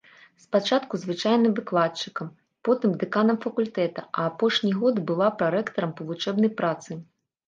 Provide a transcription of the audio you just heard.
Спачатку звычайным выкладчыкам, потым дэканам факультэта, а апошні год была прарэктарам па вучэбнай працы.